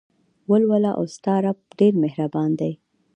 ولوله او ستا رب ډېر مهربان دى.